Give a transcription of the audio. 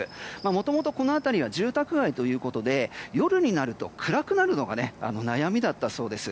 もともとこの辺りが住宅街ということで、夜になると暗くなるのが悩みだったそうです。